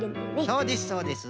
そうですそうです。